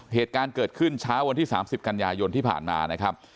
เหตุการณ์เกิดขึ้นเช้าวันที่๓๐กันยายนที่ผ่านมานะครับ